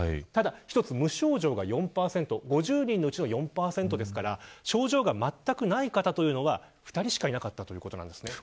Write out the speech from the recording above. ただ一つ、無症状が４％５０人のうちの４％ですから症状がまったくない方は２人しかいなかったということです。